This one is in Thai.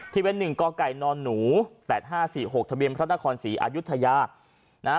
ที่เป็นหนึ่งก่อก่ายนอนหนู๘๕๔๖ทะเบียนพระราชนาคอนศรีอายุทะยา